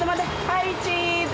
はいチーズ。